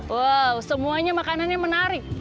wow semuanya makanannya menarik